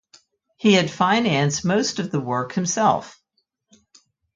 He had financed most of the work himself.